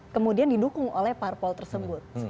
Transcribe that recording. kemudian didukung oleh parpol tersebut